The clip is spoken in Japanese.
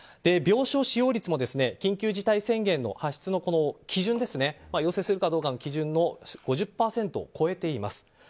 病床使用率も緊急事態宣言の発出の基準、要請するかの基準の５０％を超えています。